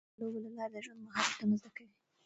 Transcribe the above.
ماشومان د لوبو له لارې د ژوند مهارتونه زده کوي.